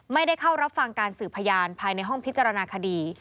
ไม่ได้เข้ารับฟังการสืบพยานภายในห้องพิจารณาคดี